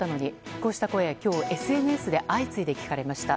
こうした声、今日ＳＮＳで相次いで聞かれました。